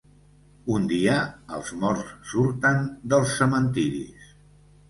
Un dia, els morts surten dels cementiris.